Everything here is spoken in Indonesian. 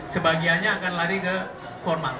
sebagiannya akan lari ke formal